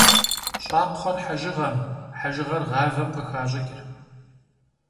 ЩӀакхъуэр хьэжыгъэм, хьэжыгъэр гъавэм къыхащӀыкӀ.